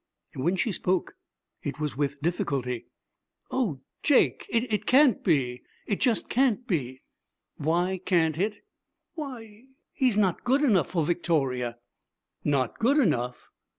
When she spoke, it was with difficulty. 'O Jake, it can't be. It just can't be.' 'Why can't it?' 'Why, he's not good enough for Victoria.' 'Not good enough?